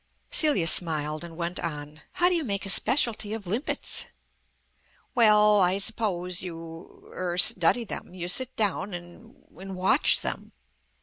Celia smiled and went on. "How do you make a specialty of limpets?" "Well, I suppose you er study them. You sit down and and watch them.